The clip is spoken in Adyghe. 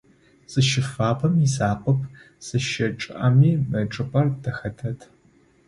Зыщыфабэм изакъоп, зыщычъыӏэми мы чӏыпӏэр дэхэ дэд.